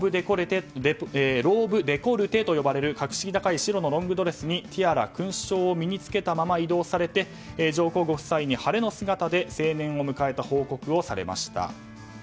ローブ・デコルテと呼ばれる格式高い白のロングドレスにティアラ、勲章を身に着けたまま移動されて上皇ご夫妻に晴れの姿で青年を迎えた報告をされました。